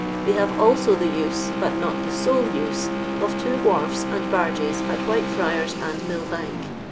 They have also the use, but not the sole use, of two wharfs and barges at Whitefriars and Millbank.